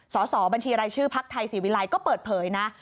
สอบบัญชีรายชื่อพักไทยศรีวิลัยก็เปิดเผยนะ